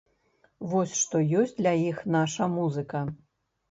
Вось што ёсць для іх наша музыка.